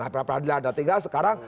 nah pra peradilan nah tinggal sekarang